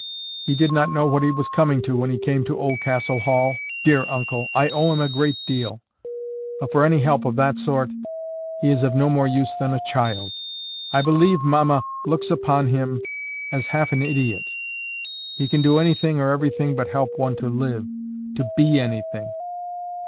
He did not know what he was coming to when he came to Oldcastle Hall. Dear uncle! I owe him a great deal. But for any help of that sort, he is of no more use than a child. I believe mamma looks upon him as half an idiot. He can do anything or everything but help one to live, to BE anything.